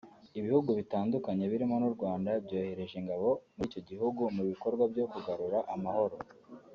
Ibihugu bitandukanye birimo n’u Rwanda byohereje ingabo muri icyo gihugu mu bikorwa byo kugarura amahoro